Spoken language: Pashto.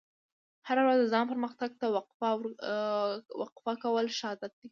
هره ورځ د ځان پرمختګ ته وقف کول ښه عادت دی.